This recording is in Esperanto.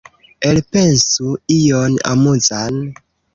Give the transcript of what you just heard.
Elpensu ion amuzan.